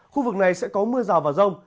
khu vực này sẽ có mưa rào và rông